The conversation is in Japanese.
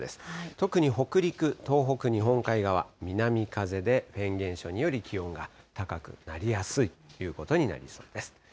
特に北陸、東北日本海側、南風でフェーン現象により、気温が高くなりやすいということになりそうです。